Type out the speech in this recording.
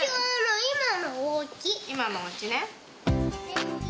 今のおうちね。